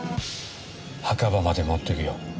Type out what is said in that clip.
墓場まで持っていくよ。